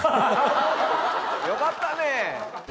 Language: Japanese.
よかったね！